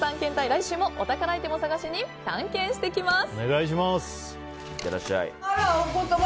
来週もお宝アイテムを探しに探検してきます！